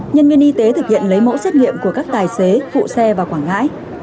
nhân viên y tế thực hiện lấy mẫu xét nghiệm của các tài xế phụ xe vào quảng ngãi